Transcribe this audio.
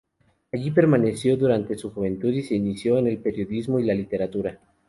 Allí permaneció durante su juventud y se inició en el periodismo y la literatura.